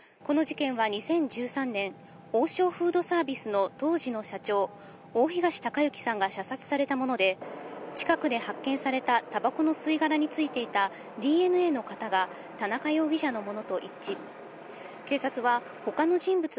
この事件は２０１３年、王将フードサービスの当時の社長、大東隆行さんが射殺されたもので、近くで発見されたタバコの吸い殻についていたＤＮＡの型が田中容疑者のものと一致。